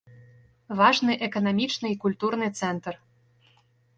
Важны эканамічны і культурны цэнтр.